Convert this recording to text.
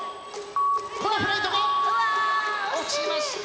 このフライトが落ちました。